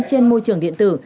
trên môi trường điện tử